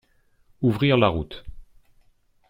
Ouvrir la route